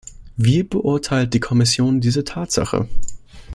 Wie beurteilt die Kommission diese Tatsache?